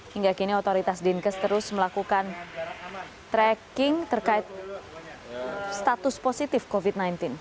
hingga kini otoritas dinkes terus melakukan tracking terkait status positif covid sembilan belas